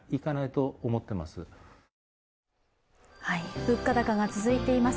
物価高が続いています